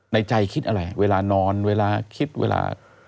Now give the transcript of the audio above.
ในใจคิดอะไรเวลานอนเวลาคิดเวลา